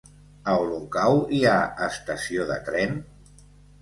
A Olocau hi ha estació de tren?